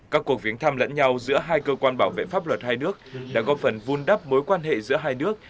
các cuộc viếng thăm lẫn nhau giữa hai cơ quan bảo vệ pháp luật hai nước đã góp phần vun đắp mối quan hệ giữa hai nước